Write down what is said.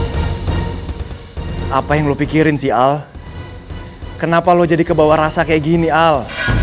hai apa yang lu pikirin sial kenapa lu jadi kebawa rasa kayak gini al